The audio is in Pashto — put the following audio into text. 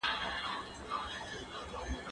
د کتابتون د کار مرسته د مور له خوا کيږي؟!